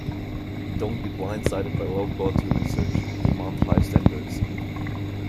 Don't be blindsided by low-quality research, demand high standards.